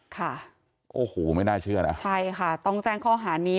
ค่ะโอ้โหไม่น่าเชื่อนะใช่ค่ะต้องแจ้งข้อหานี้